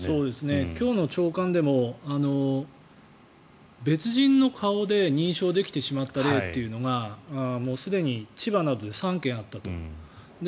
今日の朝刊でも別人の顔で認証できてしまった例というのがすでに千葉などで３件あったと。